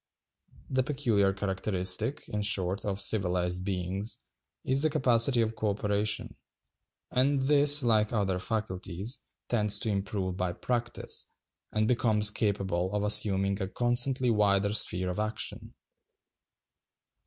The peculiar characteristic, in short, of civilized beings, is the capacity of co operation; and this, like other faculties, tends to improve by practice, and becomes capable of assuming a constantly wider sphere of action.